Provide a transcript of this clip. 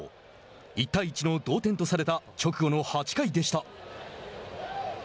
１対１の同点とされた直後の８回でした。